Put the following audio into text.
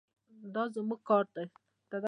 دا زموږ کار دی.